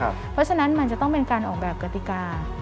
เพราะฉะนั้นมันจะต้องเป็นการออกแบบกติกา